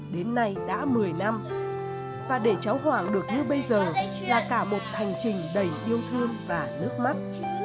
đến nay đã một mươi năm và để cháu hoàng được như bây giờ là cả một hành trình đầy yêu thương và nước mắt